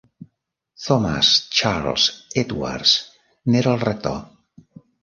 Thomas Charles Edwards n'era el rector.